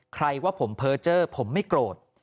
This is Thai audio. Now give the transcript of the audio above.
ใครว่าผมเพอร์เจอร์ผมไม่โกรธ